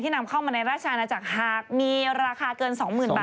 นำเข้ามาในราชอาณาจักรหากมีราคาเกิน๒๐๐๐บาท